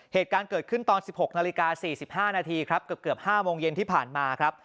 เหตุการณ์เกิดขึ้นตอน๑๖นาฬิกา๔๕นาทีครับเกือบ๕โมงเย็นที่ผ่านมาครับ